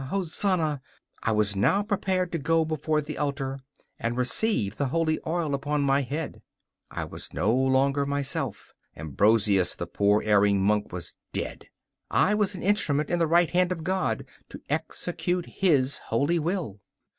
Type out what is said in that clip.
Hosanna! I was now prepared to go before the altar and receive the holy oil upon my head. I was no longer myself. Ambrosius, the poor erring monk, was dead; I was an instrument in the right hand of God to execute His holy will.